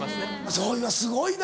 そういうのすごいな。